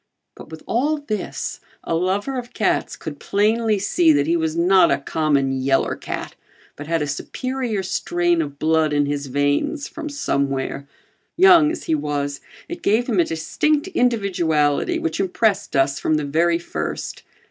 But with all this, a lover of cats could plainly see that he was not a common "yeller cat" but had a superior strain of blood in his veins from somewhere. Young as he was, it gave him a distinct individuality which impressed us from the very first.